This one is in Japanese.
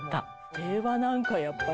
令和なんかやっぱり。